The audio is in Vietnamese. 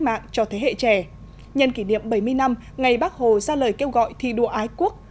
mạng cho thế hệ trẻ nhân kỷ niệm bảy mươi năm ngày bác hồ ra lời kêu gọi thi đua ái quốc